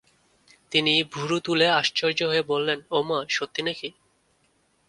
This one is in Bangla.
তিনি ভুরু তুলে আশ্চর্য হয়ে বললেন, ওমা, সত্যি নাকি?